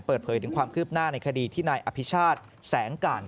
เปิดเผยถึงความคืบหน้าในคดีที่นายอภิชาติแสงก่าน